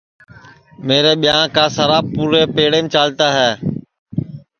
میرے ٻیاں کی سَرا پُورے چالتا ہے